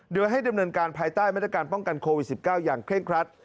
โดยให้ดำเนินการภายใต้มาตรการป้องกันโควิด๑๙อย่างเคร่งครัด